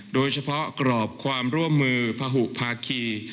โดยเฉพาะกรอบความร่วมมือพหุภาคี